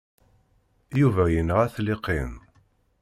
Yuba yenɣa-t Liqin.